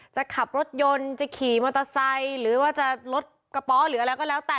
จะขับรถยนต์จะขี่มอเตอร์ไซค์หรือว่าจะลดกระเป๋อหรืออะไรก็แล้วแต่